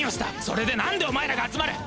それでなんでお前らが集まる！？